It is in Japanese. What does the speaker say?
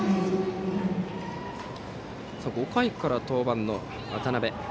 ５回から登板の渡辺です。